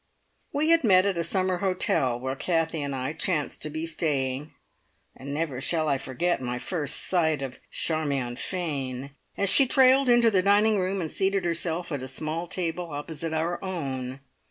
We had met at a summer hotel where Kathie and I chanced to be staying, and never shall I forget my first sight of Charmion Fane as she trailed into the dining room and seated herself at a small table opposite our own.